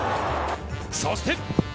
そして。